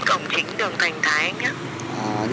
cổng chính đường thành thái anh nhé